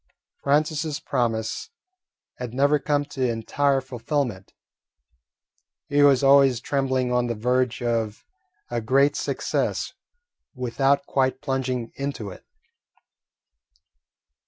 Francis's promise had never come to entire fulfilment. He was always trembling on the verge of a great success without quite plunging into it.